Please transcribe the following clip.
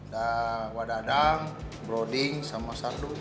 dan wadadang broding sama sardu